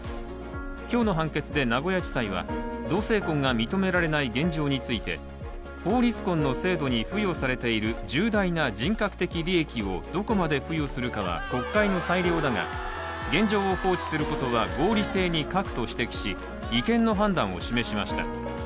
今日の判決で名古屋地裁は同性婚が認められない現状について法律婚の制度に付与されている重大な人格的利益をどこまで付与するかは国会の裁量だが、現状を放置することは合理性に欠くと指摘し違憲の判断を示しました。